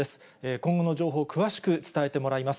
今後の情報、詳しく伝えてもらいます。